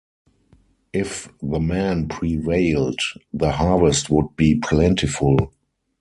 If the men prevailed, the harvest would be plentiful.